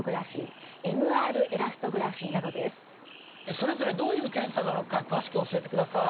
それぞれどういう検査なのか詳しく教えてください。